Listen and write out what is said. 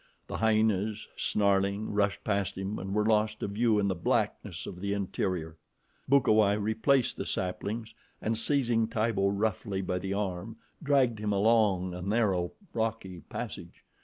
The hyenas, snarling, rushed past him and were lost to view in the blackness of the interior. Bukawai replaced the saplings and seizing Tibo roughly by the arm, dragged him along a narrow, rocky passage.